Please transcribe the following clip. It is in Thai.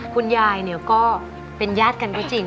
คุณยายเนี่ยก็เป็นญาติกันก็จริง